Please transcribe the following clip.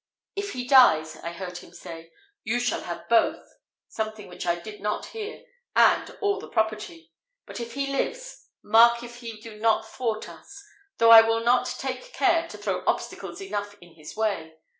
If he dies, I heard him say, you shall have both something which I did not hear and all the property; but if he lives, mark if he do not thwart us, though I will take care to throw obstacles enough in his way!